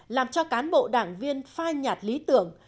làm cho cán bộ đảng viên phai nhạt lý tưởng